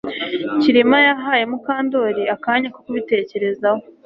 Kirima yahaye Mukandoli akanya ko kubitekerezaho